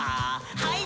はい。